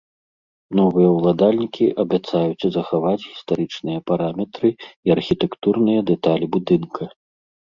Новыя ўладальнікі абяцаюць захаваць гістарычныя параметры і архітэктурныя дэталі будынка.